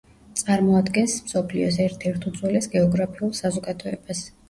წარმოადგენს მსოფლიოს ერთ-ერთ უძველეს გეოგრაფიულ საზოგადოებას.